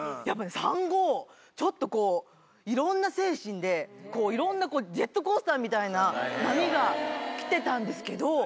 やっぱね産後ちょっとこういろんな精神でいろんなジェットコースターみたいな波が来てたんですけど。